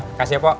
makasih ya pok